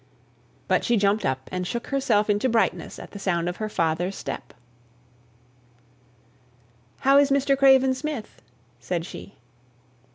But she jumped up, and shook herself into brightness at the sound of her father's step. "How is Mr. Craven Smith?" said she.